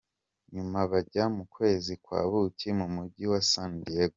Nyuma bajya mu kwezi kwa buki mu mujyi wa San Diego.